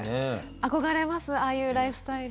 憧れますああいうライフスタイル。